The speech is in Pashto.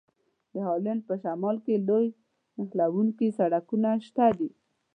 د هالند په شمال کې لوی نښلوونکي سړکونه شته دي.